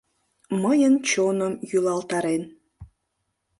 Мыйын чоным йӱлалтарен.